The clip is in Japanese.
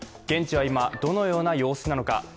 現地は今、どのような様子なのか。